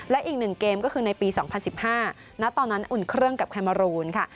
และอีก๑เกมก็คือในปี๒๐๑๕ณตอนนั้นอุ่นเครื่องกับแคมมารูนค่ะ